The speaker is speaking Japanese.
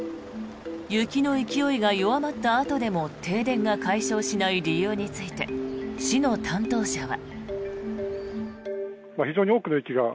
雪の勢いが弱まったあとでも停電が解消しない理由について市の担当者は。